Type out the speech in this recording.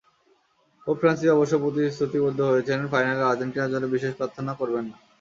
Pope Francis অবশ্য প্রতিশ্রুতিবদ্ধ হয়েছেন, ফাইনালে আর্জেন্টিনার জন্য বিশেষ প্রার্থনা করবেন না।